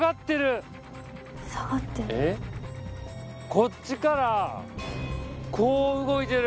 こっちからこう動いてる。